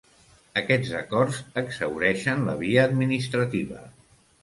Aquests acords exhaureixen la via administrativa.